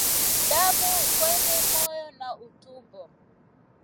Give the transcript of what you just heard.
Damu kwenye moyo na utumbo